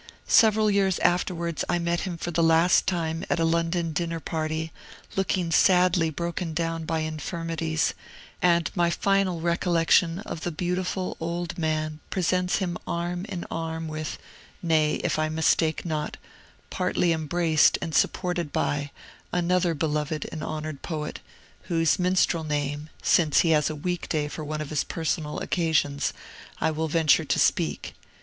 Several years afterwards I met him for the last time at a London dinner party, looking sadly broken down by infirmities; and my final recollection of the beautiful old man presents him arm in arm with, nay, if I mistake not, partly embraced and supported by, another beloved and honored poet, whose minstrel name, since he has a week day one for his personal occasions, I will venture to speak.